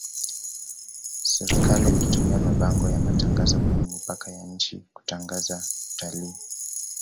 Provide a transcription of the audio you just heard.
swrikali itumia mabango ya matangazo kwenye mipaka ya nchi kutangaza utalii